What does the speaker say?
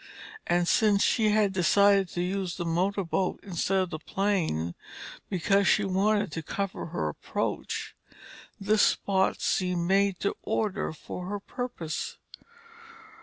And since she had decided to use the motor boat instead of the plane because she wanted to cover her approach, this spot seemed made to order for her purpose.